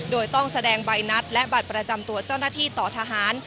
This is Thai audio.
โดยต้องแสดงใบนัดและบัตรประจำตัวเจ้าหน้าที่ต่อทหาร